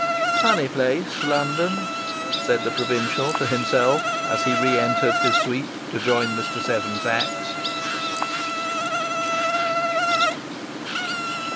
"Funny place, London!" said the provincial to himself as he re entered his suite to rejoin Mr. Seven Sachs.